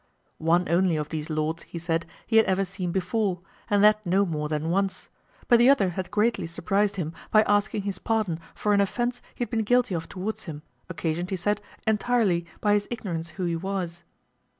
One only of these lords, he said, he had ever seen before, and that no more than once; but the other had greatly surprized him by asking his pardon for an offence he had been guilty of towards him, occasioned, he said, entirely by his ignorance who he was.